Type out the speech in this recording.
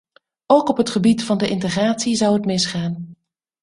Ook op het gebied van de integratie zou het misgaan.